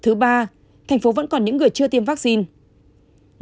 thứ ba tp hcm vẫn còn những người chưa tiêm vaccine